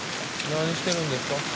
何してるんですか？